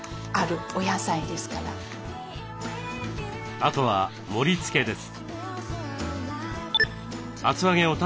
あとは盛りつけです。